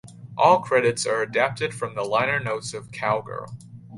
All credits are adapted from the liner notes of "Cowgirl".